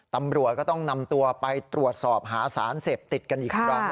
ตำรวจก็ต้องนำตัวไปตรวจสอบหาสารเสพติดกันอีกครั้ง